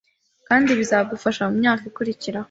Kandi bizagufasha mu myaka ikurikiyeho